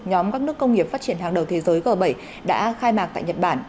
nhóm các nước công nghiệp phát triển hàng đầu thế giới g bảy đã khai mạc tại nhật bản